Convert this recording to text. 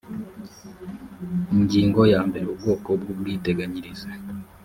ingingo ya mbere ubwoko bw ubwiteganyirize